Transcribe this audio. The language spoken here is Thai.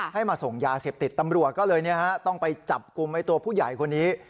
ให้มาส่งยาเสพติดตำรวจก็เลยต้องไปจับกลุ่มตัวผู้ใหญ่คนนี้